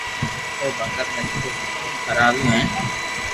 او بگت ني سٺو سٺو کراويو ھين